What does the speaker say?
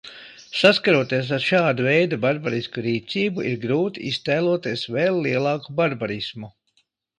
Saskaroties ar šāda veida barbarisku rīcību, ir grūti iztēloties vēl lielāku barbarismu.